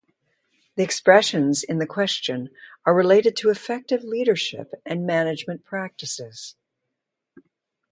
The expressions in the question are related to effective leadership and management practices.